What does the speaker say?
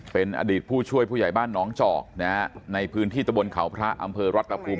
เป็นอดีตผู้ช่วยผู้ใหญ่บ้านน้องจอกนะฮะในพื้นที่ตะบนเขาพระอำเภอรัตภูมิ